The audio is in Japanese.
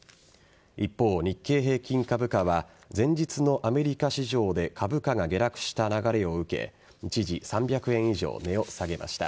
一方、日経平均株価は前日のアメリカ市場で株価が下落した流れを受け一時３００円以上値を下げました。